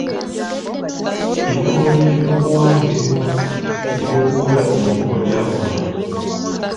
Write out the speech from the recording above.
Ebikolwa by'ebyobuwangwa ebimu eby'okukola enkuba byakoma.